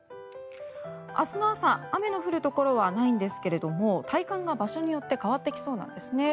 明日の朝、雨の降るところはないんですけれども体感が場所によって変わってきそうなんですね。